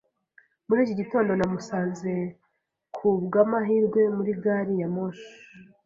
Muri iki gitondo, namusanze ku bw'amahirwe muri gari ya moshi.